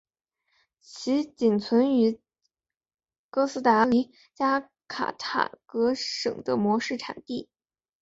其仅存在于哥斯达黎加卡塔戈省的模式产地。